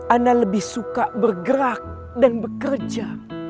anda lebih suka bergerak dan bekerja